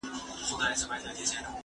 زه به د سبا لپاره د درسونو يادونه کړې وي،